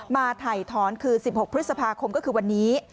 มาถ่ายถอนคือ๑๖พฤษภาคมก็คือวันนี้